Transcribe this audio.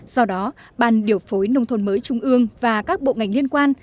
do đó ban điều phối nông thôn mới trung ương và các bộ ngành liên quan